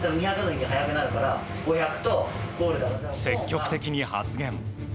積極的に発言。